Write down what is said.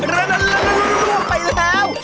ร่วงไปแล้ว